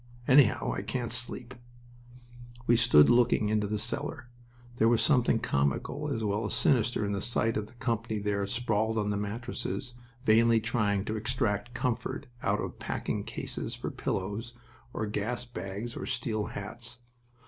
Anyhow, I can't sleep." We stood looking into the cellar. There was something comical as well as sinister in the sight of the company there sprawled on the mattresses, vainly trying to extract comfort out of packing cases for pillows, or gas bags on steel hats.